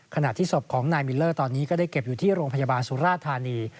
ขณะที่ศพของนายมิลเลอร์ตอนนี้ก็ได้เก็บอยู่ที่โรงพยาบาลสุราธานี